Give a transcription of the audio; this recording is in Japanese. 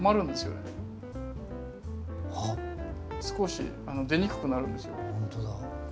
少し出にくくなるんですよね。